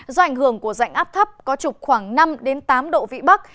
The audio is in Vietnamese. do ảnh hưởng của dạnh áp thấp có trục khoảng năm tám độ vĩ bắc